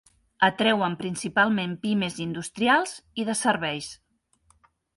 Atreuen principalment Pimes industrials i de serveis.